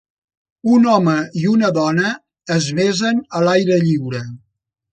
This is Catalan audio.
Un home i una dona es besen a l'aire lliure.